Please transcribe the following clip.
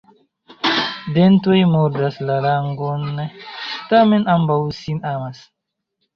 Dentoj mordas la langon, tamen ambaŭ sin amas.